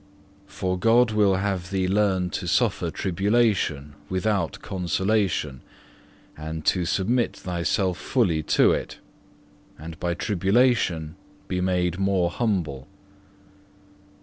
For God will have thee learn to suffer tribulation without consolation, and to submit thyself fully to it, and by tribulation be made more humble.